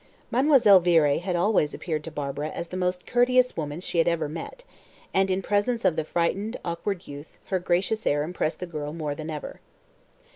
Mademoiselle Viré had always appeared to Barbara as the most courteous woman she had ever met, and, in presence of the frightened, awkward youth, her gracious air impressed the girl more than ever.